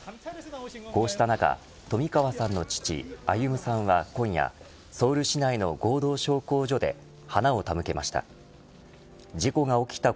こうした中、冨川さんの父歩さんは今夜ソウル市内の合同焼香所で花を手向けました。